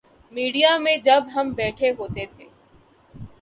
Media میں جب ہم بیٹھے ہوتے ہیں۔